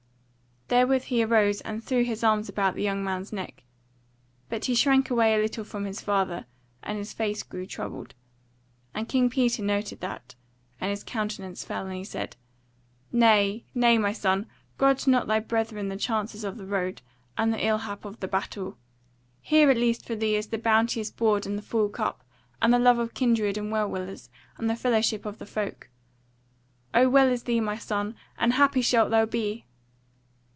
Therewith he arose and threw his arm about the young man's neck; but he shrank away a little from his father, and his face grew troubled; and King Peter noted that, and his countenance fell, and he said: "Nay nay, my son; grudge not thy brethren the chances of the road, and the ill hap of the battle. Here at least for thee is the bounteous board and the full cup, and the love of kindred and well willers, and the fellowship of the folk. O well is thee, my son, and happy shalt thou be!"